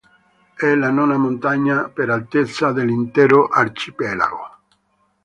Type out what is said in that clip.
È la nona montagna, per altezza, dell'intero arcipelago.